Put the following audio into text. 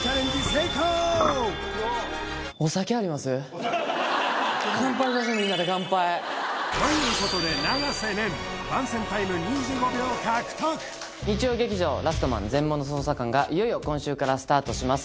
成功ということで永瀬廉日曜劇場「ラストマン−全盲の捜査官−」がいよいよ今週からスタートします